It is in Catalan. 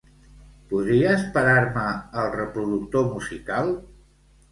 Podries parar-me el reproductor musical?